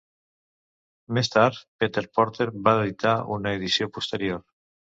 Més tard, Peter Porter va editar una edició posterior.